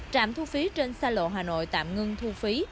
trạm thu phí trên xa lộ hà nội tạm ngưng thu phí